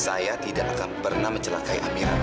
saya tidak akan pernah mencelakai amira utari